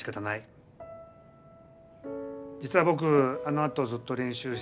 実は僕あのあとずっと練習してたんだ。